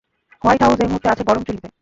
White House এই মুহূর্তে আছে গরম চুল্লীতে!